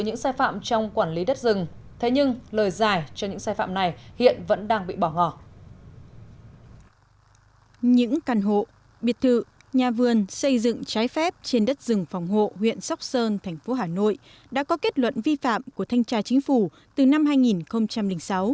những căn hộ biệt thự nhà vườn xây dựng trái phép trên đất rừng phòng hộ huyện sóc sơn thành phố hà nội đã có kết luận vi phạm của thanh tra chính phủ từ năm hai nghìn sáu